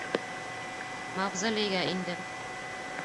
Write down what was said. Мавзолейға индем.